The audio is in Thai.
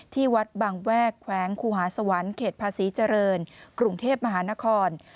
ที่วัดบางแวกแขวงคูหาสวรรค์เขตภาษีเจริญกรุงเทพมหานคร